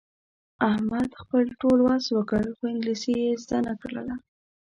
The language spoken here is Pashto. احمد خپل ټول وس وکړ، خو انګلیسي یې زده نه کړله.